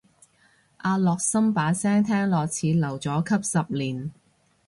阿樂琛把聲聽落似留咗級十年